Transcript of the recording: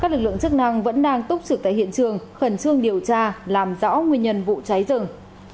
các lực lượng chức năng vẫn đang túc trực tại hiện trường khẩn trương điều tra làm rõ nguyên nhân vụ cháy rừng